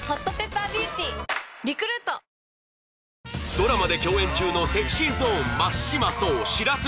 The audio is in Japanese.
ドラマで共演中の ＳｅｘｙＺｏｎｅ 松島聡白洲